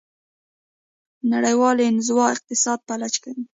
نړیوال انزوا اقتصاد فلج کوي.